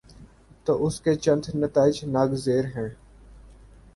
تو اس کے چند نتائج ناگزیر ہیں۔